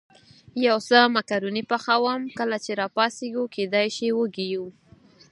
یو څه مکروني پخوم، کله چې را پاڅېږو کېدای شي وږي یو.